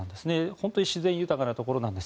本当に自然豊かなところなんです。